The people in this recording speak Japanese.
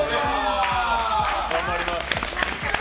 頑張ります。